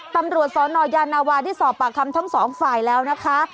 ตำรวจศหนอยานวาที่สอบปากคำทั้ง๒ฝ่ายแล้วนะคะ